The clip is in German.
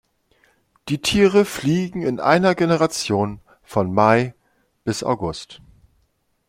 Die Tiere fliegen in einer Generation von Mai bis August.